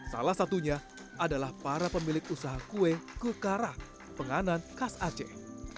salah satunya adalah para pemilik usaha kue kekarah penganan khas aceh